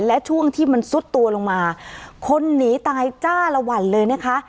และช่วงที่มันซุดตัวลงมาคนหนีตายจ้าละวันเลยนะคะ